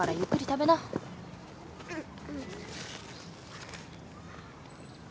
うん。